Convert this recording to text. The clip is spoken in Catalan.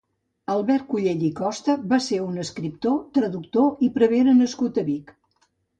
Albert Collell i Costa va ser un escriptor, traductor i prevere nascut a Vic.